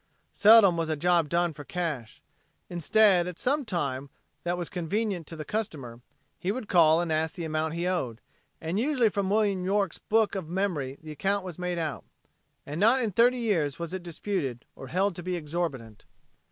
Seldom was a job done for cash. Instead, at some time that was convenient to the customer, he would call and ask the amount he owed, and usually from William York's book of memory the account was made out. And not in thirty years was it disputed, or held to be exorbitant.